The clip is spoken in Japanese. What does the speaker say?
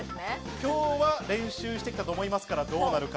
今日は練習してきたと思いますからどうなるか。